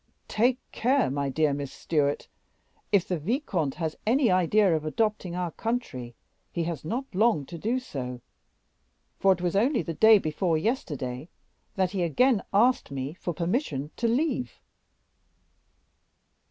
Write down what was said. "Take care, my dear Miss Stewart; if the vicomte has any idea of adopting our country, he has not long to do so, for it was only the day before yesterday that he again asked me for permission to leave."